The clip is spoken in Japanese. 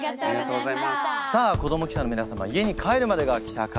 さあ子ども記者の皆様家に帰るまでが記者会見です。